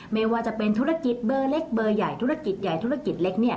ไม่ว่าจะเป็นธุรกิจเบอร์เล็กเบอร์ใหญ่ธุรกิจใหญ่ธุรกิจเล็ก